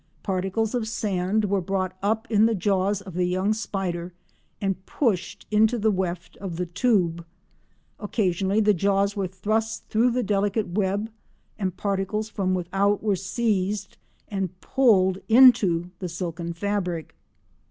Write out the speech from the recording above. Particles of sand were brought up in the jaws of the young spider and pushed into the weft of the tube. Occasionally the jaws were thrust through the delicate web and particles from without were seized and pulled into the silken fabric.